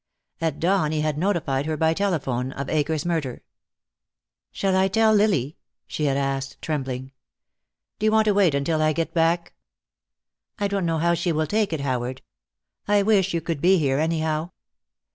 At dawn he had notified her by telephone of Akers' murder. "Shall I tell Lily?" she had asked, trembling. "Do you want to wait until I get back?" "I don't know how she will take it, Howard. I wish you could be here, anyhow."